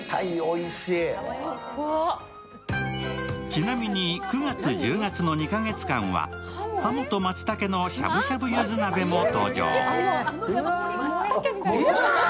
ちなみに、９月、１０月の２カ月間は鱧と松茸のしゃぶしゃぶ柚子鍋も登場。